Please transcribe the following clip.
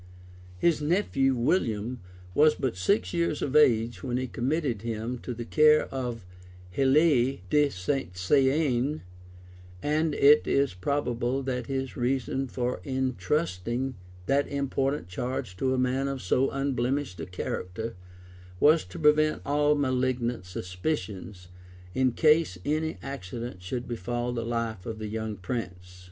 [*] His nephew William was but six years of age when he committed him to the care of Helie de St. Saen; and it is probable that his reason for intrusting that important charge to a man of so unblemished a character, was to prevent all malignant suspicions, in case any accident should befall the life of the young prince, {1110.